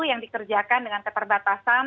yang dikerjakan dengan keperbatasan